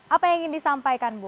apa yang ingin disampaikan bu